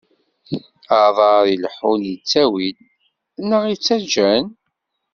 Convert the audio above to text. Aḍaṛ ileḥḥun ittawi-d, neɣ ittaǧǧa-n.